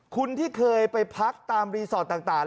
คุณที่เคยไปพักตามรีสอร์ทต่าง